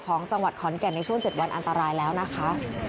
ของจังหวัดขอนแก่นในช่วง๗วันอันตรายแล้วนะคะ